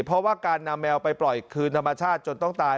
เพราะว่าการนำแมวไปปล่อยคืนธรรมชาติจนต้องตาย